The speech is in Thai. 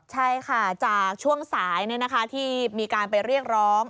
ใช่ค่ะจากช่วงสายที่มีการไปเรียกร้อง